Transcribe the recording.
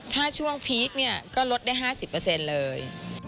ถ้าช่วงพีคก็ลดได้๕๐เลย